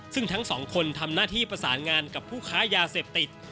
ซึ่งทั้งสองคนทำหน้าที่ประสานงานกับผู้ค้ายาเสพติด